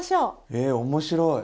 え面白い！